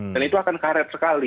dan itu akan karet sekali